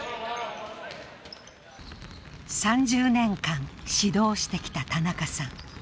３０年間、指導してきた田中さん。